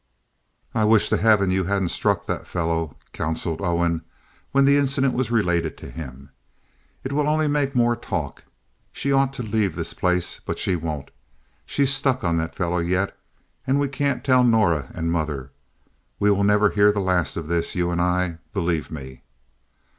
"I wish to heaven you hadn't struck that fellow," counseled Owen, when the incident was related to him. "It will only make more talk. She ought to leave this place; but she won't. She's struck on that fellow yet, and we can't tell Norah and mother. We will never hear the last of this, you and I—believe me."